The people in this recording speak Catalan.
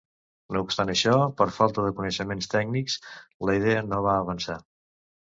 No obstant això, per falta de coneixements tècnics la idea no va avançar.